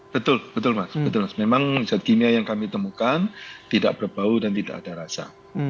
betul betul mas betul memang zat kimia yang kami temukan tidak berbau dan tidak ada rasa